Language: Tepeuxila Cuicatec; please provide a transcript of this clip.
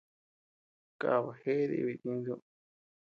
Kaba gëe diibi itintu.